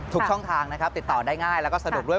ทุกช่องทางนะครับติดต่อได้ง่ายแล้วก็สนุกด้วย